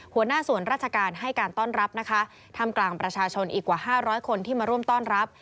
หัวหน้าส่วนราชการให้การต้อนรับนะคะทำกลางประชาชนอีกกว่าห้าร้อยคนที่มาร่วมต้อนรับ